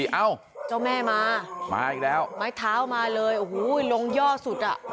เจ้าแม่มามาอีกแล้วไม้เท้ามาเลยลงย่อสุดอ่ะ